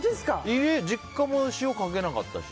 実家も塩かけなかったし。